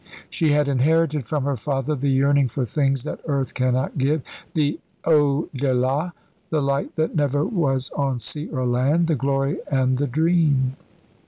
She had inherited from her father the yearning for things that earth cannot give the au delà, the light that never was on sea or land. "The glory and the dream."